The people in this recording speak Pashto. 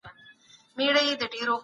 ښوونکی د زدهکوونکو د شخصیت ارزونه کوي.